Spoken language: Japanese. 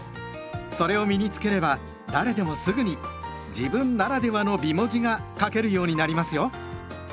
それを身に付ければ誰でもすぐに「自分ならではの美文字」が書けるようになりますよ。